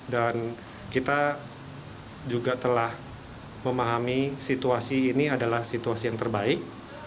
dan kita juga telah memahami situasi ini adalah situasi yang terbaik